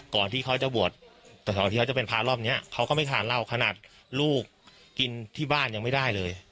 ก่อนที่เขาจะบวชแต่ก่อนที่เขาจะเป็นพระรอบนี้เขาก็ไม่ทานเหล้าขนาดลูกกินที่บ้านยังไม่ได้เลย